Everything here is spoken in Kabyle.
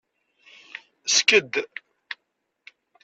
Sked.